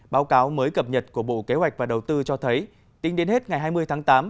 báo cáo mới cập nhật của bộ kế hoạch và đầu tư cho thấy tính đến hết ngày hai mươi tháng tám